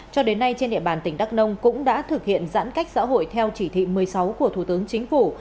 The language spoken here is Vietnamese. cho đến nay trên địa bàn tỉnh đắk nông cũng đã thực hiện giãn cách xã hội theo chỉ thị một mươi sáu của thủ tướng chính phủ